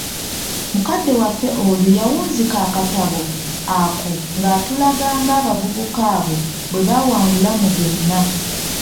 Mukadde waffe oyo yawunzika akatabo ako ng'atulaga ng'abavubuka abo bwe baawangula mu byonna.